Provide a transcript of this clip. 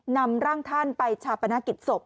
นำร่างท่านไปชาปนกิจศพ